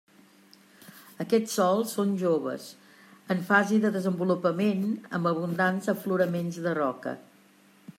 Aquests sòls són joves, en fase de desenvolupament amb abundants afloraments de roca.